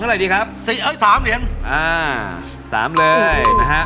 อ้าหลาย